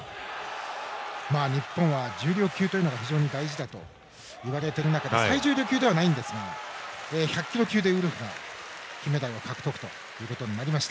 日本は重量級が非常に大事だといわれる中で最重量級ではないんですが１００キロ級で、ウルフが金メダル獲得となりました。